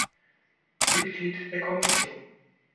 Mitglied der Kommission.